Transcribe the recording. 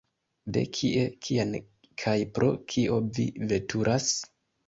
De kie, kien kaj pro kio vi veturas?